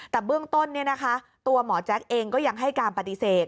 แต่เบื้องต้นตัวหมอแจ๊กเองก็ยังให้การปฏิเสธ